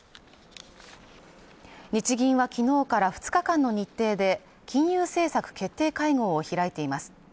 日銀はきのうから２日間の日程で金融政策決定会合を開いています